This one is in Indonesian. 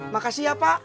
makasih ya pak